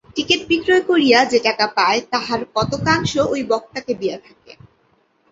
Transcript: Ticket বিক্রয় করিয়া যে টাকা পায়, তাহার কতকাংশ ঐ বক্তাকে দিয়া থাকে।